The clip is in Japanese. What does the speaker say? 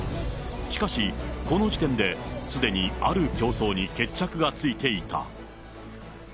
しかし、この時点ですでにある競争に決着がついていた。